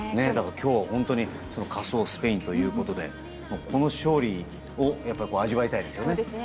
今日は本当に仮想スペインということで勝利を味わいたいですね。